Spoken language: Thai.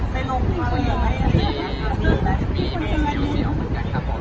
มีมีมีสิ่งสิ่งออกเหมือนกันครับผม